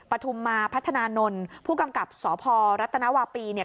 ปฐุมมาพัฒนานนท์ผู้กำกับสพรัฐนาวาปีเนี่ย